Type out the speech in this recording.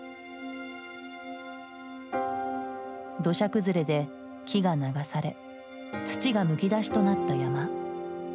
土砂崩れで木が流され土がむき出しとなった山。